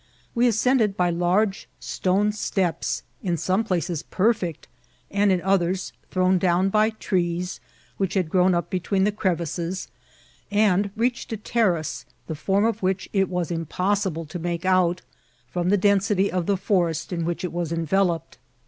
We ascended by large stone steps, in some places perfect, and in others thrown down by trees which had grown up between the crevicesi and reached a terrace, the form of which it was impossible to make ont, from the density of the forest in which it was enyelqped.